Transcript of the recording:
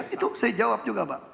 itu saya jawab juga pak